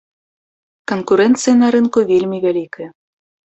Канкурэнцыя на рынку вельмі вялікая.